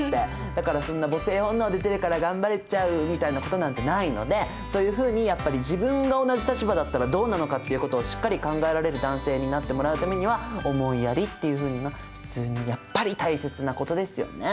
だからそんな母性本能出てるから頑張れちゃうみたいなことなんてないのでそういうふうに自分が同じ立場だったらどうなのかっていうことをしっかり考えられる男性になってもらうためには思いやりっていうふうな普通にやっぱり大切なことですよね。